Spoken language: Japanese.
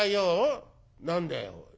「何だよおい。